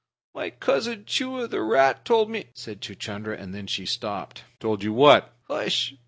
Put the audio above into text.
"My cousin Chua, the rat, told me " said Chuchundra, and then he stopped. "Told you what?" "H'sh!